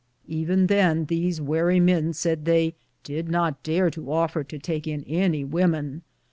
Even then these war}^ men said " they did not dare to offer to take in any women."